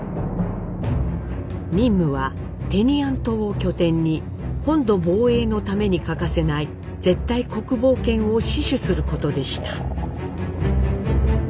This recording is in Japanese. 任務はテニアン島を拠点に本土防衛のために欠かせない絶対国防圏を死守することでした。